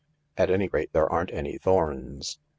At any rate, there aren't any thorns."